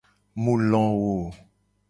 Mu lowo.